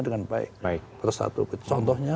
dengan baik bersatu contohnya